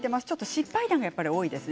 失敗談が多いです。